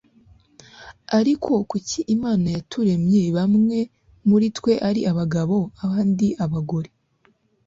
ariko kuki imana yaturemye bamwe muri twe ari abagabo abandi abagore